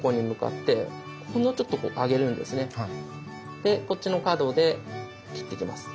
でこっちの角で切っていきます。